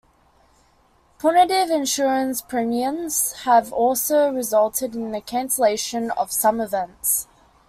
Punitive insurance premiums have also resulted in the cancellation of some events.